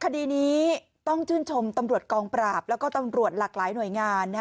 คดีนี้ต้องชื่นชมตำรวจกองปราบแล้วก็ตำรวจหลากหลายหน่วยงาน